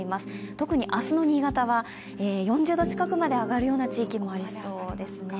特に明日の新潟は４０度近くまで上がる地域もありそうですね。